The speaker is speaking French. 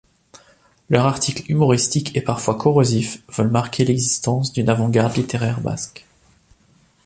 Leurs articles humoristiques et parfois corrosifs veulent marquer l’existence d'une avant-garde littéraire basque.